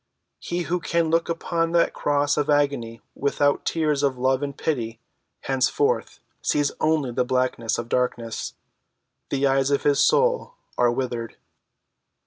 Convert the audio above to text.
He who can look upon that cross of agony without tears of love and pity, henceforth sees only the blackness of darkness. The eyes of his soul are withered.